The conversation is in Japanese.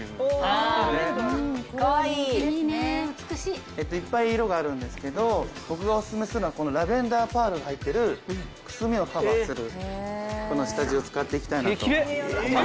いっぱい色があるんですけど僕がオススメするのはこのラベンダーパールが入ってるくすみをカバーするこの下地を使っていきたいなと。